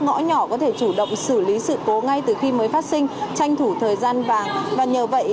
ngõ nhỏ có thể chủ động xử lý sự cố ngay từ khi mới phát sinh tranh thủ thời gian vàng và nhờ vậy